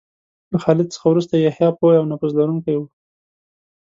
له خالد څخه وروسته یحیی پوه او نفوذ لرونکی و.